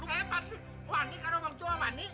hebat nih wani karo orang tua mani